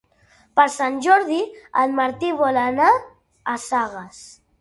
Per Sant Jordi en Martí vol anar a Sagàs.